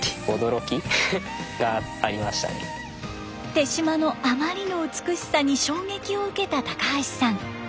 手島のあまりの美しさに衝撃を受けた高橋さん。